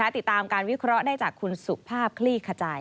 ติดตามการวิเคราะห์ได้จากคุณสุภาพคลี่ขจาย